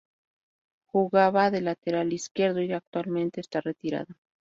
Jugaba de lateral izquierdo y actualmente esta retirado.